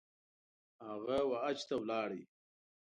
هغه ، وحج ته ولاړی